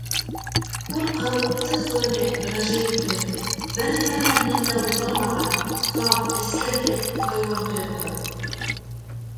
Ҡурҡыу, Цезония, ғәжәйеп тойғо; бер нимә менән дә буталмаған, саф, эскерһеҙ, хайуан тойғоһо!